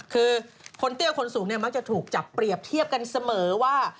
คือคนเตี้ยคนสูงเนี่ยมักจะถูกจับเปรียบเทียบกันเสมอว่า